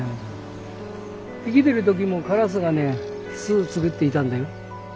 生きてる時もカラスがね巣作っていたんだよ。